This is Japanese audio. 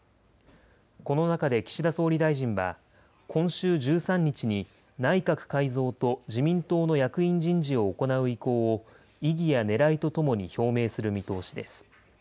この中で岸田総理大臣は今週１３日に内閣改造と自民党の役員人事を行う意向を、意義やねらいとともに表明する見通しです。